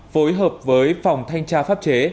phối hợp với phòng thanh tra pháp chế